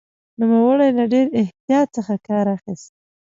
نوموړي له ډېر احتیاط څخه کار اخیست.